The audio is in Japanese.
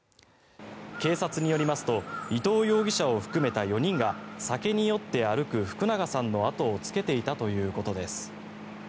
警察によりますと伊藤容疑者を含めた４人が酒に酔って歩く福永さんの後をつけていたということです。